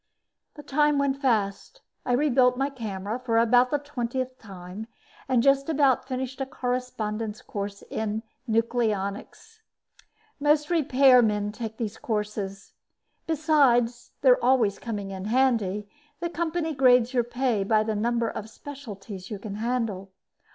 The time went fast. I rebuilt my camera for about the twentieth time and just about finished a correspondence course in nucleonics. Most repairmen take these courses. Besides their always coming in handy, the company grades your pay by the number of specialties you can handle.